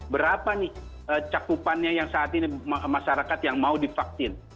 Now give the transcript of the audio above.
berapa nih cakupannya yang saat ini masyarakat yang mau divaksin